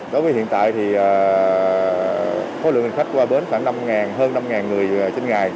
đối với hiện tại thì số lượng hành khách qua bến khoảng năm hơn năm người trên ngày